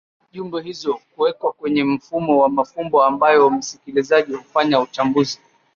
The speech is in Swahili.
Jumbe hizo huwekwe kwenye mfumo wa mafumbo ambayo msikilizaji hufanya uchambuzi